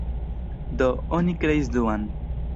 Do, oni kreis duan.